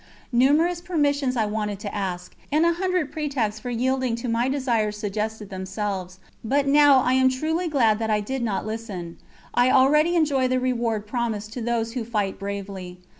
Numerous permissions I wanted to ask, and a hundred pretexts for yielding to my desires suggested themselves, but now I am truly glad that I did not listen. I already enjoy the reward promised to those who fight bravely.